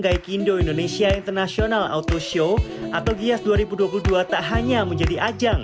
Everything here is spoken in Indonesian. gaikindo indonesia international auto show atau gias dua ribu dua puluh dua tak hanya menjadi ajang